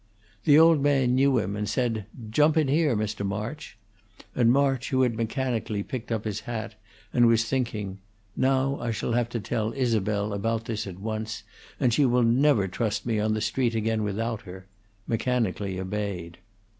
The old man knew him, and said, "Jump in here, Mr. March"; and March, who had mechanically picked up his hat, and was thinking, "Now I shall have to tell Isabel about this at once, and she will never trust me on the street again without her," mechanically obeyed.